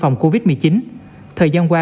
phòng covid một mươi chín thời gian qua